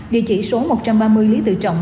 địa chỉ số một trăm ba mươi lý tự trọng